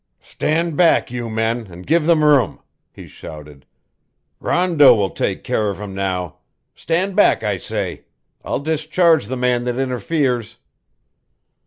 "Stand back, you men, and give them room," he shouted. "Rondeau will take care of him now. Stand back, I say. I'll discharge the man that interferes."